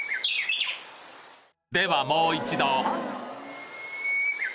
ではもう一度